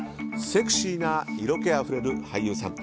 セクシーな色気あふれる俳優さん